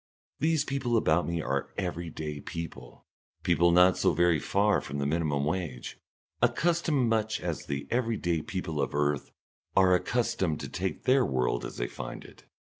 These people about me are everyday people, people not so very far from the minimum wage, accustomed much as the everyday people of earth are accustomed to take their world as they find it.